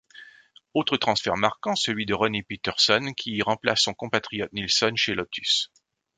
Autre transfert marquant, celui de Ronnie Peterson qui remplace son compatriote Nilsson chez Lotus.